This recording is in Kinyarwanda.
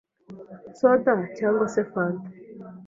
Soda cyangwa se fanta